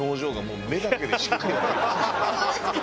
そうですか？